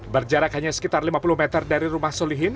berjarak hanya sekitar lima puluh meter dari rumah solihin